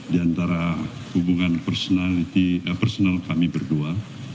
di antara hubungan personal kami berdua